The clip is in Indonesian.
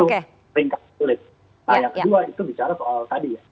nah yang kedua itu bicara soal tadi ya